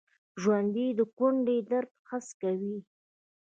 ژوندي د کونډې درد حس کوي